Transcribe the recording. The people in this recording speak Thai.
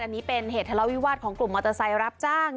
อันนี้เป็นเหตุทะเลาวิวาสของกลุ่มมอเตอร์ไซค์รับจ้าง